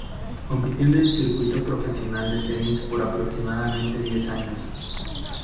Compitió en el circuito profesional de tenis por aproximadamente diez años.